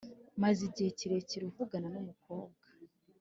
maze igihe kirekire uvugana n’umukobwa